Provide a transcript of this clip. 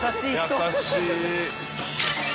優しい。